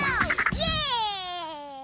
イエーイ！